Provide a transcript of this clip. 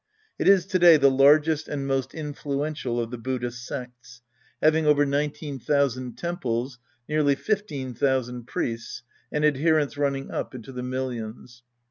It is to day the largest and most influential of the Buddhist sects, having over 19,000 temples, nearly 15,000 priests, and adherents running up into the millions.